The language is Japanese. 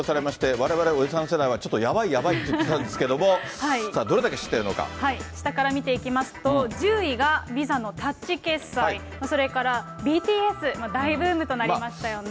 われわれおじさん世代はちょっとやばい、やばいって言ってたんですけど、さあ、下から見ていきますと、１０位がＶｉｓａのタッチ決済、それからＢＴＳ、大ブームとなりましたよね。